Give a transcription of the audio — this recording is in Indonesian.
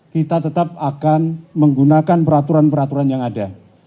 kita tetap akan menggunakan peraturan peraturan yang ada